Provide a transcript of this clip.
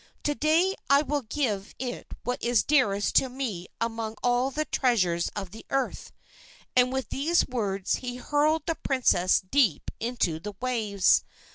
To day I will give it what is dearest to me among all the treasures of the earth,' and with these words he hurled the princess deep into the waves.